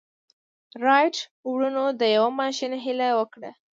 رايټ وروڼو د يوه ماشين هيله وکړه.